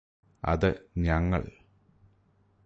അത് ഞങ്ങള്